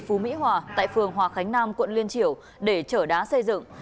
phú mỹ hòa tại phường hòa khánh nam quận liên triểu để trở đá xây dựng